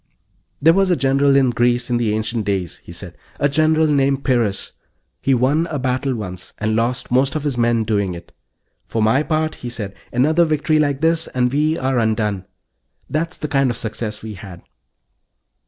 "There was a general in Greece in the ancient days," he said. "A general named Pyrrhus. He won a battle once, and lost most of his men doing it. 'For my part,' he said, 'another victory like this and we are undone.' That's the kind of success we had."